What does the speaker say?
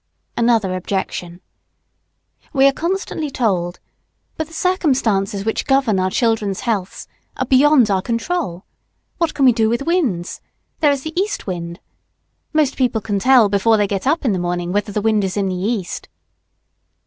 Another objection. We are constantly told, "But the circumstances which govern our children's healths are beyond our control. What can we do with winds? There is the east wind. Most people can tell before they get up in the morning whether the wind is in the east."